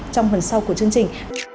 trong phần sau của chương trình